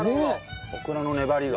オクラの粘りが。